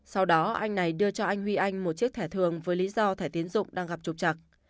sau đó anh này đưa cho anh huy anh một chiếc thẻ thường với lý do thẻ tiến dụng đang gặp trục trặc